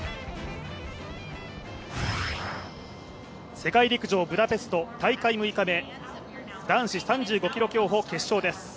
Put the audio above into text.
世界陸上ブダペスト大会６日目、男子３５ｋｍ決勝です。